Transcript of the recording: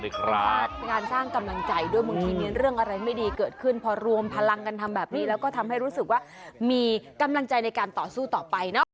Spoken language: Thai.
การสร้างกำลังใจด้วยบางทีมีเรื่องอะไรไม่ดีเกิดขึ้นพอรวมพลังกันทำแบบนี้แล้วก็ทำให้รู้สึกว่ามีกำลังใจในการต่อสู้ต่อไปเนอะ